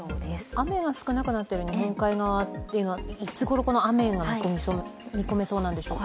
雨が少なくなっている日本海側っていうのはいつ雨が見込まれそうなんでしょうか。